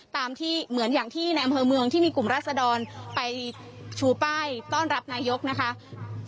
ตามที่เหมือนอย่างที่ในอำเภอเมืองที่มีกลุ่มราศดรไปชูป้ายต้อนรับนายกนะคะ